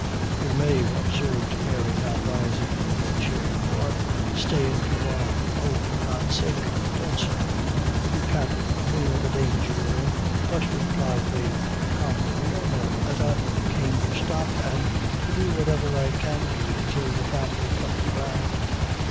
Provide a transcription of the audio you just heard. "Dear Mave," observed Mary, now rising from her chair, "you are stayin' too long; oh, for God's sake, don't stop; you can't dhrame of the danger you're in." "But," replied Mave, calmly, "you know, Mary, that I came to stop and to do whatever I can do till the family comes round.